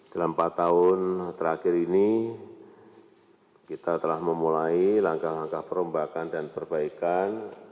dalam empat tahun terakhir ini kita telah memulai langkah langkah perombakan dan perbaikan